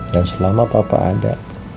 dan selama papa ada